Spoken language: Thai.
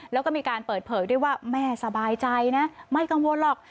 แล้วก็มีการเปิดเผยด้วยว่าแม่สบายใจนะไม่กังวลหรอก